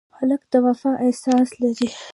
هلک د وفا احساس لري.